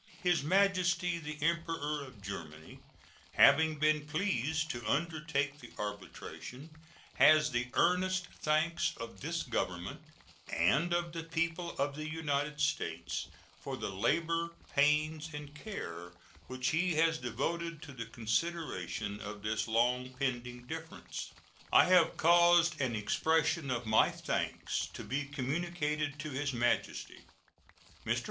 His Majesty the Emperor of Germany, having been pleased to undertake the arbitration, has the earnest thanks of this Government and of the people of the United States for the labor, pains, and care which he has devoted to the consideration of this long pending difference. I have caused an expression of my thanks to be communicated to His Majesty. Mr.